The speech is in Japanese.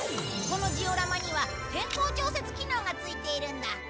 このジオラマには天候調節機能がついているんだ。